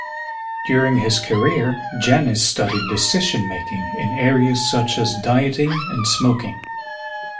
During his career, Janis studied decisionmaking in areas such as dieting and smoking.